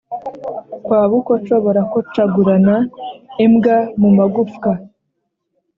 kwa bukoco barakocagurana-imbwa mu magufwa.